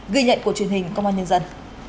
ghi nhận của truyền hình công an nhân dân